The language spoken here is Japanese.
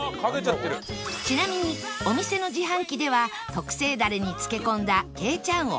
ちなみにお店の自販機では特製ダレに漬け込んだけいちゃんを販売